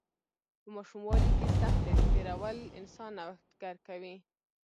په ماشوموالي کې سختۍ تیرول انسان نوښتګر کوي.